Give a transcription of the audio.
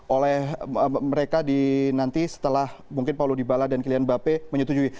oleh mereka di nanti setelah mungkin paulo dybala dan kylian mbappe menyetujui